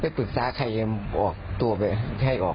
ไปปรึกษาใครออกใครออก